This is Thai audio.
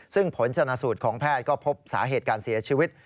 ซึ่งผลชนะสูตรของแพทย์ก็พบสาเหตุการเสียชีวิต